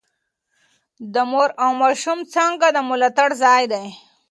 د مور او ماشوم څانګه د ملاتړ ځای دی.